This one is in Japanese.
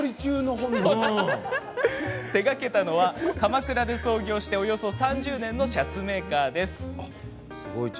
手がけているのは鎌倉で創業して、およそ３０年のシャツメーカーです。